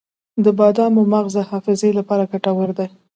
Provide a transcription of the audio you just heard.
د بادامو مغز د حافظې لپاره ګټور دی.